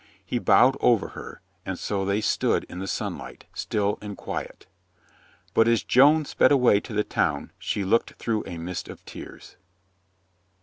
He bowed over her, and so they stood in the sunlight, still and quiet. But as Joan sped away to the town she looked through a mist of tears.